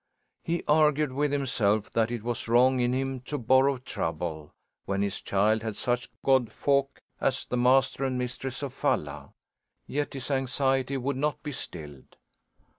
He argued with himself that it was wrong in him to borrow trouble, when his child had such godfolk as the master and mistress of Falla. Yet his anxiety would not be stilled.